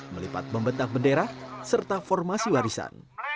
melipat membentak bendera serta formasi warisan